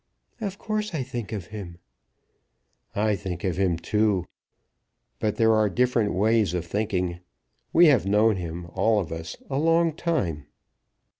"Of course I think of him." "I think of him too; but there are different ways of thinking. We have known him, all of us, a long time."